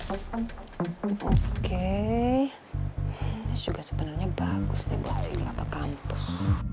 oke ini juga sebenarnya bagus nih buat singapura kampus